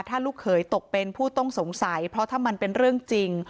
ถ้าลูกเขยตกเป็นผู้ต้องสงสัยเพราะถ้ามันเป็นเรื่องจริง